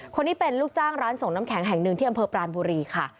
คนนี้เป็นลูกจ้างร้านส่งน้ำแข็งแห่งหนึ่งที่อำเภอปรานบุรีค่ะ